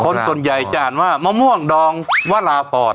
คนส่วนใหญ่จะอ่านว่ามะม่วงดองวราพร